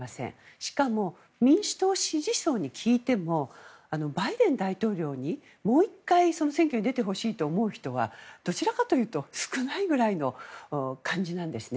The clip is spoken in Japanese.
しかも、民主党支持層に聞いてもバイデン大統領にもう１回、選挙に出てほしいと思う人はどちらかというと少ないくらいの感じなんですね。